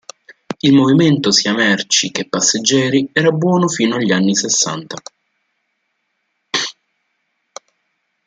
Il movimento sia merci che passeggeri era buono fino agli anni sessanta.